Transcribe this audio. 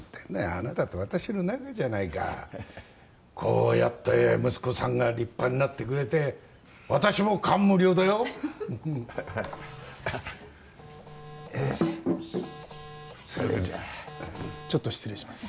あなたと私の仲じゃないかこうやって息子さんが立派になってくれて私も感無量だよウフフすいませんちょっと失礼します